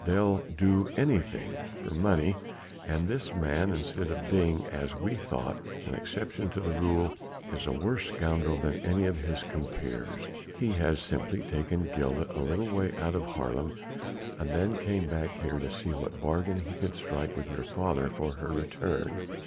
They'll do anything for money, and this man instead of being as we thought an exception to the rule, is a worse scoundrel than any of his compeers. He has simply taken Gilda a little way out of Haarlem, and then came back here to see what bargain he could strike with your father for her return."